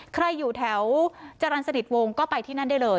ใครอยู่แถวจรรย์สนิทวงศ์ก็ไปที่นั่นได้เลย